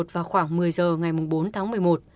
và khoảng một mươi giờ ngày mùng bốn tháng một mươi một